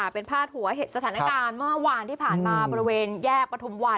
เป็นพาดหัวสถานการณ์เมื่อวานที่ผ่านมาบริเวณแยกปฐุมวัน